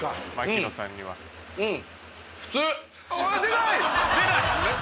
うん！